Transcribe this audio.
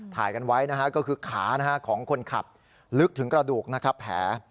ถ่ายกันไว้นะฮะก็คือขาของคนขับลึกถึงกระดูกนะครับแผล